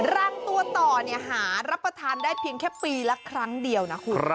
รังตัวต่อหารับประทานได้เพียงแค่ปีละครั้งเดียวนะคุณ